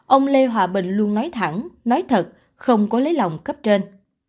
ông lê hòa bình luôn nói thẳng nói thật không có lấy lòng cấp trên